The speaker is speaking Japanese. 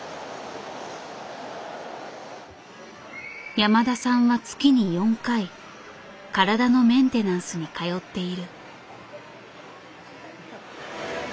山田さんは月に４回体のメンテナンスに通っている。